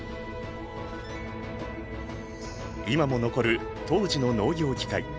今も残る当時の農業機械。